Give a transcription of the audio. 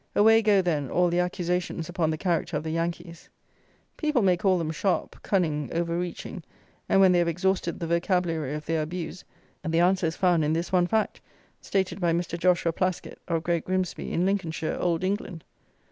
Away go, then, all the accusations upon the character of the Yankees. People may call them sharp, cunning, overreaching; and when they have exhausted the vocabulary of their abuse, the answer is found in this one fact, stated by Mr. Joshua Plaskitt, of Great Grimsby, in Lincolnshire, Old England.